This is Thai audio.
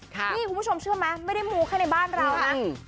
นี่คุณผู้ชมเชื่อไหมไม่ได้มูแค่ในบ้านเรานะ